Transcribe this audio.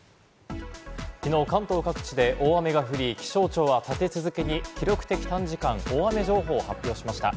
昨日、関東各地で大雨が降り、気象庁は立て続けに記録的短時間大雨情報を発表しました。